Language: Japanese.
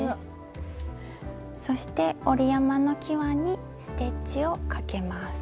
そして折り山のきわにステッチをかけます。